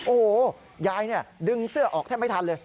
โอ้โหยายเนี่ยดึงเสื้อออกแทบไม่ทันเลย